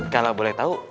kalau boleh tau